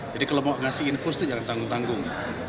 jadi kalau mau ngasih infus itu jangan tanggung tanggung